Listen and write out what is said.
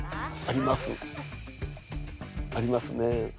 ありますね。